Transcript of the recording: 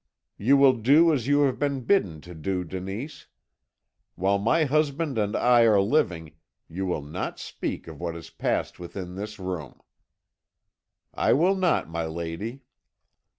"'You will do as you have been bidden to do, Denise. While my husband and I are living you will not speak of what has passed within this room.' "'I will not, my lady.'